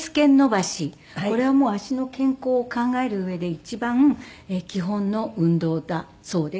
これはもう足の健康を考える上で一番基本の運動だそうです。